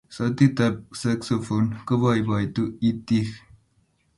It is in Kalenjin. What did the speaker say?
sautit ap saxophone kopoipoito itik